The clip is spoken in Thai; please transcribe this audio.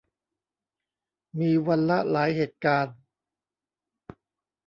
มีวันละหลายเหตุการณ์